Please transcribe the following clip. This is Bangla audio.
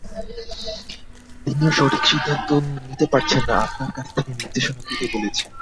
তিনিও সঠিক সিদ্ধান্ত নিতে পারছেন না, আপনার কাছ থেকে নির্দেশনা পেতে বলেছেন।